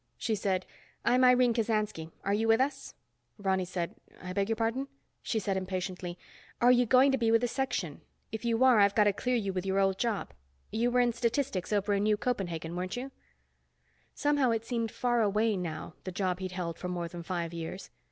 She said, "I'm Irene Kasansky. Are you with us?" Ronny said, "I beg your pardon?" She said impatiently, "Are you going to be with the Section? If you are, I've got to clear you with your old job. You were in statistics over in New Copenhagen, weren't you?" Somehow it seemed far away now, the job he'd held for more than five years.